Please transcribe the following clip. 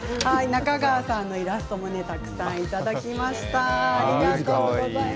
中川さんのイラストもたくさんいただきました。